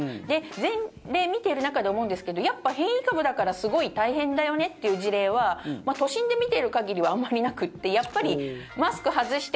全例見ている中で思うんですけどやっぱり変異株だからすごい大変だよねという事例は都心で見ている限りはあんまりなくってやっぱりマスク外して